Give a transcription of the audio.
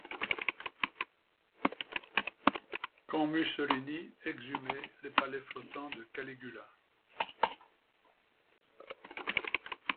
Wofford is the son of Pennsylvania senator Harris Wofford.